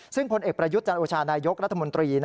ซึ่งผลเอกประยุทธ์จันโอชานายกรัฐมนตรี